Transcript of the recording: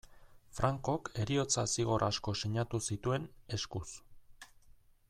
Francok heriotza-zigor asko sinatu zituen, eskuz.